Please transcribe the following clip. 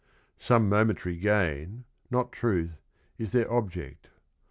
Some mo mentary gain, not truth, is their object.